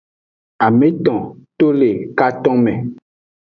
Ameto to le katonme.